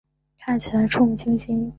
看起来怵目惊心